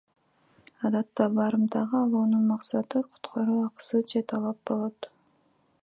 Адатта барымтага алуунун максаты куткаруу акысы же талап болот.